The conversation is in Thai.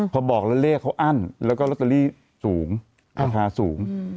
พอบอกแล้วเลขเขาอั้นแล้วก็ลอตเตอรี่สูงราคาสูง